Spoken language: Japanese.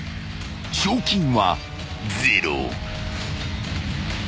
［賞金はゼロ］